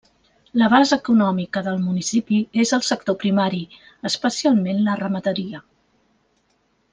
La base econòmica del municipi és el sector primari, especialment la ramaderia.